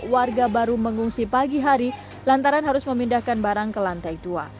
warga baru mengungsi pagi hari lantaran harus memindahkan barang ke lantai dua